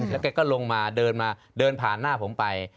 แล้วแกก็ลงมาเดินมาเดินผ่านหน้าผมไป